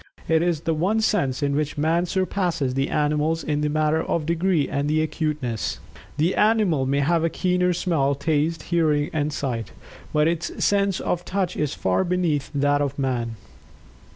It is the one sense in which Man surpasses the animals in the matter of degree and acuteness. The animal may have a keener smell, taste, hearing and sight, but its sense of Touch is far beneath that of Man.